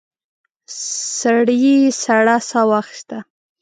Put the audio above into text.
سړي سړه ساه واخيسته.